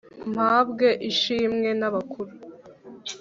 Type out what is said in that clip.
mpabwe ishimwe n'abakuru